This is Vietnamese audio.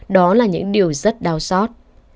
đó là những điều rất đau xót